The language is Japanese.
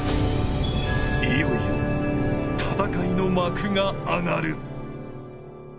いよいよ戦いの幕が上がる。